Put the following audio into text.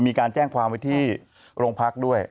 มีการแจ้งความวิธีโรงพักษณ์ด้วย